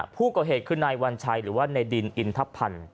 ผู้ก่อเหตุคือนายวัญชัยหรือว่าในดินอินทพันธ์